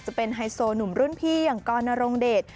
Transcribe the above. จะเป็นไฮโซหนุ่มรุ่นพี่อย่างกรนรงเดช